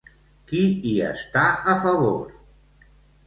Qui hi està a favor?